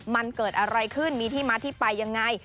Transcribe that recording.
มันเกิดอะไรขึ้นมีที่มาที่ไปยังไง